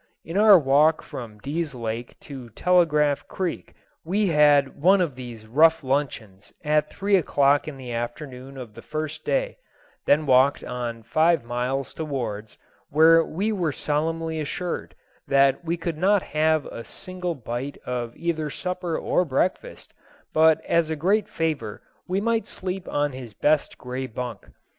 On our walk from Dease Lake to Telegraph Creek we had one of these rough luncheons at three o'clock in the afternoon of the first day, then walked on five miles to Ward's, where we were solemnly assured that we could not have a single bite of either supper or breakfast, but as a great favor we might sleep on his best gray bunk.